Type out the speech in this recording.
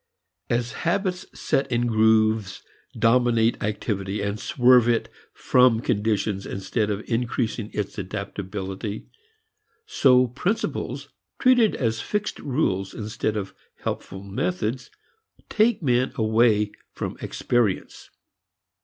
As habits set in grooves dominate activity and swerve it from conditions instead of increasing its adaptability, so principles treated as fixed rules instead of as helpful methods take men away from experience.